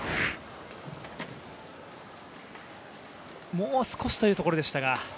もう少しというところでしたが。